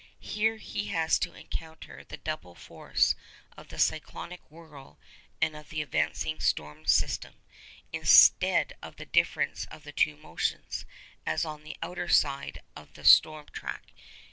Here he has to encounter the double force of the cyclonic whirl and of the advancing storm system, instead of the difference of the two motions, as on the outer side of the storm track.